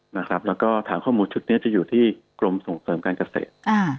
แล้วก็ฐานข้อมูลชุดนี้จะอยู่ที่กรมส่งเสริมการเกษตรอ่า